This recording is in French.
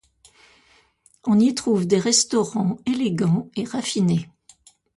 On y trouve des restaurants élégants et raffinés.